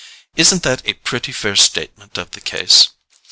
Isn't that a pretty fair statement of the case?